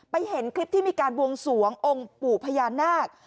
เห็นคลิปที่มีการบวงสวงองค์ปู่พญานาค